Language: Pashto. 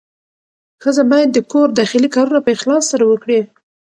ښځه باید د کور داخلي کارونه په اخلاص سره وکړي.